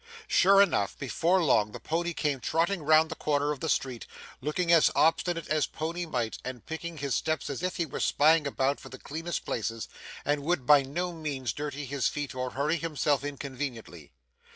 Sure enough, before long the pony came trotting round the corner of the street, looking as obstinate as pony might, and picking his steps as if he were spying about for the cleanest places, and would by no means dirty his feet or hurry himself inconveniently.